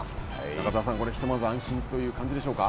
中澤さん、これ、ひとまず安心という感じでしょうか。